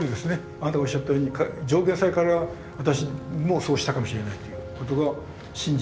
あなたがおっしゃったように条件さえ変われば私もそうしたかもしれないということが真実。